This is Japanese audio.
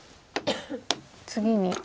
次に。